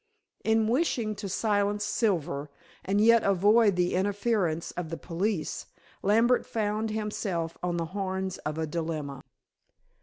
In wishing to silence Silver, and yet avoid the interference of the police, Lambert found himself on the horns of a dilemma.